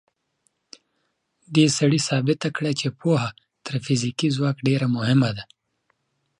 دې سړي ثابته کړه چې پوهه تر فزیکي ځواک ډېره مهمه ده.